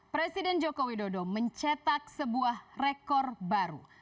presiden jokowi dodo mencetak sebuah rekor baru